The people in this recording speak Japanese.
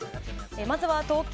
まずは東京。